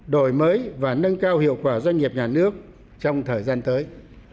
đổi mới và nâng cao hiệu quả doanh nghiệp nhà nước trong thời gian tới